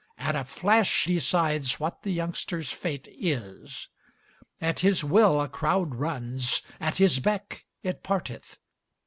At a flash decides what the youngster's fate is. At his will a crowd runs, at his beck it parteth.